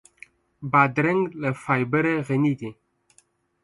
بادرنګ له فایبره غني دی.